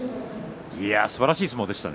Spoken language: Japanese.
すばらしい相撲でしたね。